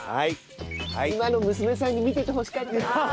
今の娘さんに見ててほしかったな。